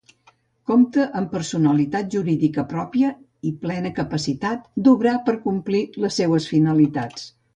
Compta amb personalitat jurídica pròpia i plena capacitat d'obrar per complir les seues finalitats.